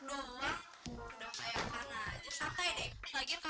lagi malam itu malah saya kena raya